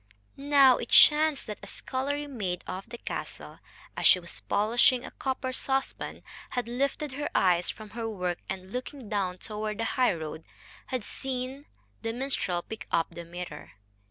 Now it chanced that a scullery maid of the castle, as she was polishing a copper saucepan, had lifted her eyes from her work, and, looking down toward the highroad, had seen the minstrel pick up the mirror.